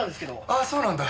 ああそうなんだ。